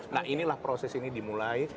nah inilah proses ini dimulai